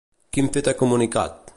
Quin fet ha comunicat?